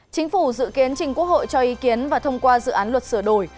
chính phủ dự kiến trình quốc hội cho ý kiến và thông qua dự án luật sửa đổi